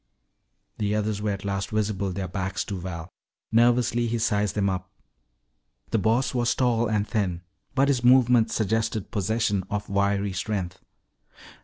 The others were at last visible, their backs to Val. Nervously he sized them up. The Boss was tall and thin, but his movements suggested possession of wiry strength.